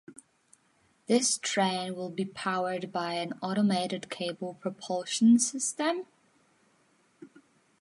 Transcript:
This train will be powered by an automated cable propulsion system.